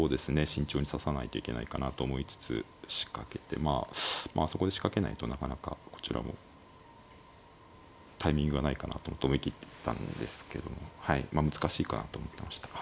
慎重に指さないといけないかなと思いつつ仕掛けてまあそこで仕掛けないとなかなかこちらもタイミングがないかなと思って思い切って行ったんですけどまあ難しいかなと思ってました。